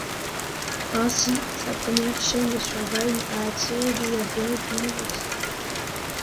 Ainsi, sa première chaîne sur Vine a attiré des abonnés du monde entier.